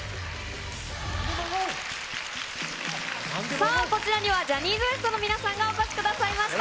さあ、こちらにはジャニーズＷＥＳＴの皆さんがお越しくださいました。